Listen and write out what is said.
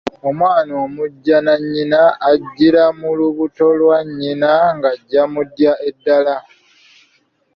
Omwana omujjanannyina ajjira mu lubuto lwa nnyina ng'ajja mu ddya eddala.